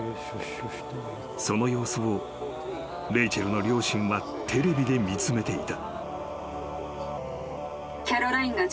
［その様子をレイチェルの両親はテレビで見つめていた］